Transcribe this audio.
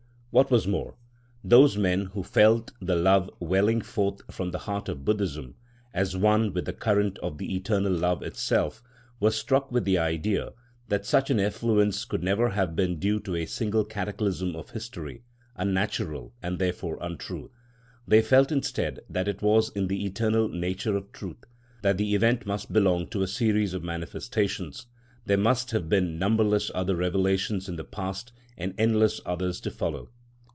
What was more, those men who felt the love welling forth from the heart of Buddhism, as one with the current of the Eternal Love itself, were struck with the idea that such an effluence could never have been due to a single cataclysm of history—unnatural and therefore untrue. They felt instead that it was in the eternal nature of truth, that the event must belong to a series of manifestations; there must have been numberless other revelations in the past and endless others to follow.